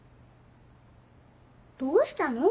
どうしたの？